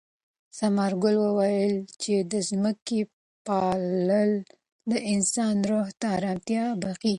ثمرګل وویل چې د ځمکې پالل د انسان روح ته ارامتیا بښي.